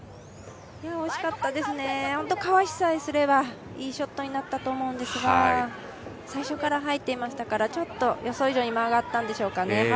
惜しかったですね、かわしさえすればいいショットになったと思うんですが、最初からはいていましたから、予想以上に曲がったんでしょうね。